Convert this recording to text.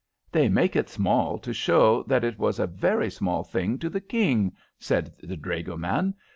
"They make it small to show that it was a very small thing to the King," said the dragoman.